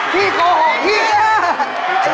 ขี้โกหกเฮี้ย